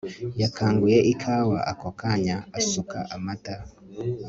yakanguye ikawa ako kanya asuka amata